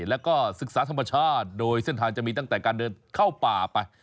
แล้วก็ศึกษาธรรมชาติโดยเส้นทางจะมีตั้งแต่การเดินเข้าป่าไป